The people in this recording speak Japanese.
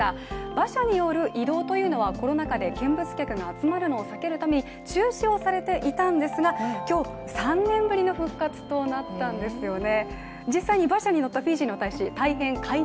馬車による移動というのはコロナ禍で見物客が集まるのを避けるために中止をされていたんですが、今日、３年ぶりの復活となったんですよね。